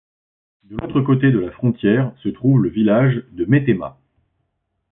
De l'autre côté de la frontière se trouve le village de Metemma.